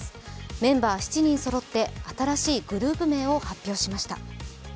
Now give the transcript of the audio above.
メンバー７人そろって新しいグループ名を発表しました。